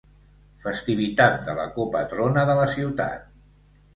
Festivitat de la copatrona de la Ciutat.